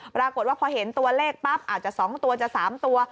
ปรากฏว่าพอเห็นตัวเลขปั๊บอาจจะ๒ตัวจะ๓ตัว